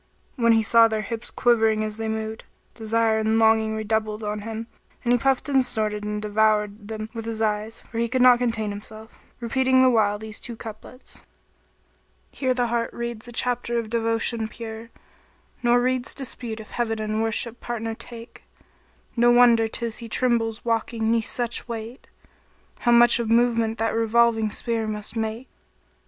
When he saw their hips quivering as they moved, desire and longing redoubled on him; and he puffed and snorted and he devoured them with his eyes, for he could not contain himself, repeating the while these two couplets, "Here the heart reads a chapter of devotion pure; * Nor reads dispute if Heaven in worship partner take: No wonder 'tis he trembles walking 'neath such weight! * How much of movement that revolving sphere must make.